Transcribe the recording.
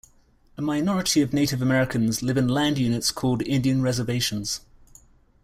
A minority of Native Americans live in land units called Indian reservations.